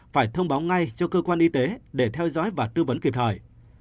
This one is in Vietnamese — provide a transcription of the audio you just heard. phải thông báo ngay cho cơ quan y tế để theo dõi và tư vấn kịp thời